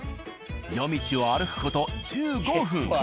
夜道を歩く事１５分。